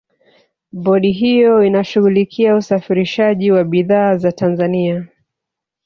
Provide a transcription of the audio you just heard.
bodi hiyo inashughulikia usafirishaji wa bidhaa za tanzania